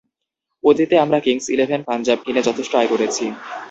অতীতে আমরা Kings Eleven Punjab কিনে যথেষ্ট আয় করেছি।